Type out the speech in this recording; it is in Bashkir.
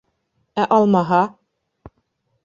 — Ә алмаһа?